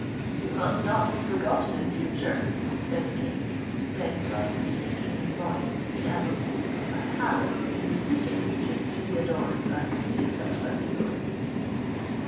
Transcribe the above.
"You must not be forgotten in future," said the King: then slightly sinking his voice, he added, "A palace is the fitting region to be adorned by beauty such as your's."